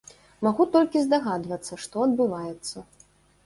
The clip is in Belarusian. Магу толькі здагадвацца, што адбываецца.